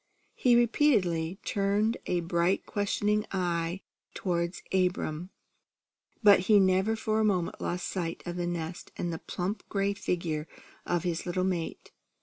He repeatedly turned a bright questioning eye toward Abram, but he never for a moment lost sight of the nest and the plump gray figure of his little mate.